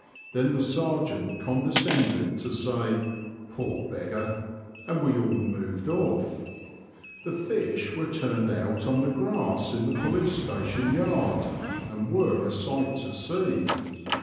Then the sergeant condescended to say " poor beg gar" — and we all moved oflF. The fish were turned out on the grass in the police station yard, and were a sight to see.